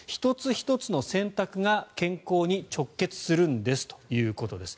１つ１つの選択が健康に直結するんですということです。